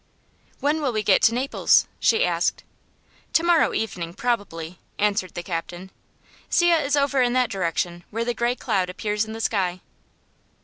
"When will we get to Naples?" she asked. "To morrow evening, probably," answered the captain. "See, it is over in that direction, where the gray cloud appears in the sky."